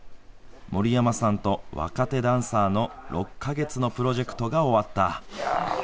森山さんと若手ダンサーの６か月のプロジェクトが終わった。